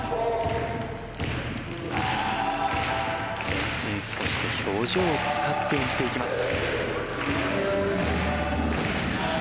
全身、そして表情を使って演じていきます。